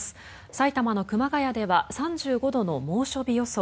埼玉の熊谷では３５度の猛暑日予想